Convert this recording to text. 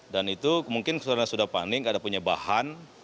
dan itu mungkin sudah panik nggak ada punya bahan